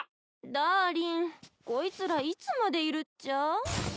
ダーリンこいつらいつまでいるっちゃ？